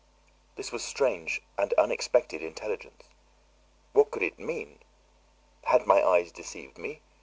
This was strange and unexpected intelligence; what could it mean? Had my eyes deceived me?